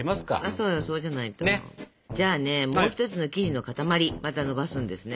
じゃあねもう一つの生地の塊またのばすんですね。